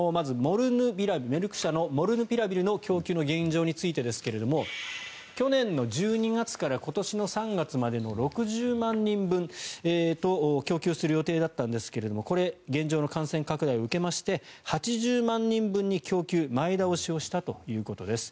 メルク社のモルヌピラビルの供給の現状ですが去年の１２月から今年の３月まで６０万人分供給する予定だったんですが現状の感染拡大を受けまして８０万人分に供給前倒しをしたということです。